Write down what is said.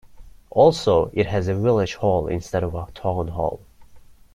Also, it has a village hall instead of a town hall.